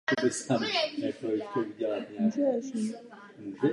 Královské vojsko se skládalo z několika částí.